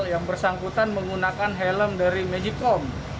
yang bersangkutan menggunakan helm dari mejikom